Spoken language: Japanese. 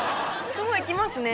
すごいきますね。